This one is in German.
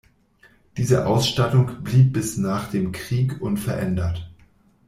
Diese Ausstattung blieb bis nach dem Krieg unverändert.